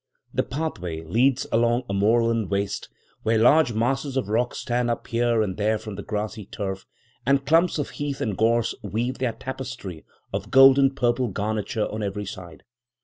The pathway leads along a moorland waste, where large masses of rock stand up here and there from the grassy turf, and clumps of heath and gorse weave their tapestry of golden purple garniture on every side.